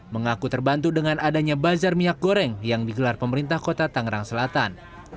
mengaku terbantu dengan adanya bazar minyak goreng yang digelar pemerintah kota tangerang selatan